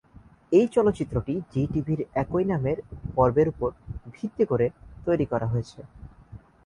এই চলচ্চিত্রটি জী টিভির একই নামের পর্বের উপর ভিত্তি করে তৈরি করা হয়েছে।